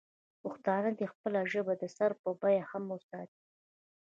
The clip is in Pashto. پښتانه دې خپله ژبه د سر په بیه هم وساتي.